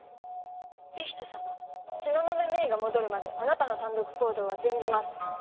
理人さま東雲メイが戻るまであなたの単独行動は禁じます。